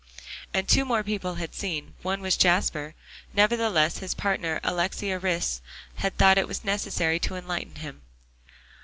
And two more people had seen; one was Jasper. Nevertheless his partner, Alexia Rhys, thought it necessary to enlighten him.